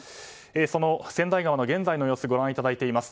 その千代川の現在の様子をご覧いただいています。